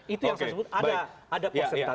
itu yang saya sebut ada persentase